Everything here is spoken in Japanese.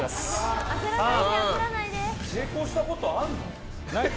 成功したことあんの？